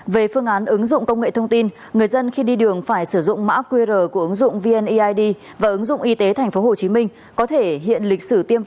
về phương án ứng dụng công nghệ thông tin người dân khi đi đường phải sử dụng mã qr của ứng dụng vneid và ứng dụng y tế tp hcm